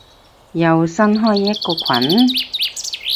又新開一個群？